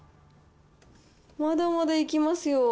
まだまだいきますよ。